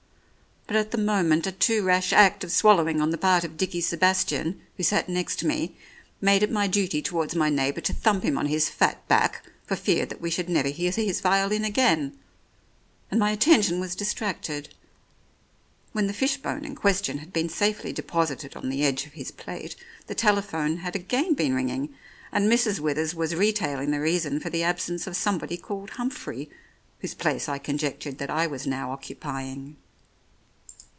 But at the moment a too rash act of swal lowing on the part of Dickie Sebastian, who sat next me, made it my duty towards my neighbour to thump him on his fat back for fear that we should never hear his violin again, and my attention was distracted. When the fish bone in question had been safely deposited on the edge of his plate, the tele phone had again been ringing, and Mrs. Withers was retailing the reason for the absence of somebody called Humphrey, whose place I conjectured that I was now occupying.